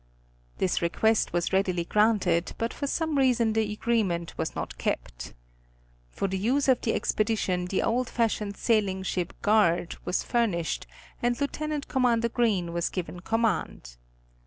This request was readily granted, but for some reason the agreement was not kept. For the use of the Expedition the old fashioned sailing ship Guard was furn ished and Lieut. Com. Green was given command.